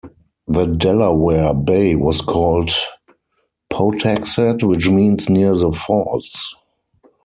The Delaware Bay was called "Poutaxat", which means "near the falls".